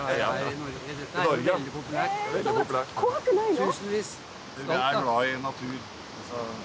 怖くないの？